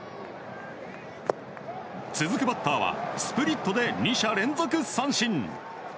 続くバッターはスプリットで２者連続三振。